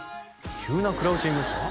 急なクラウチングですか？